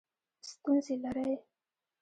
ستونزې لرئ؟